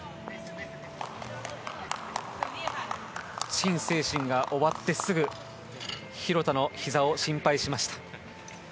チン・セイシンが終わってすぐ廣田のひざを心配しました。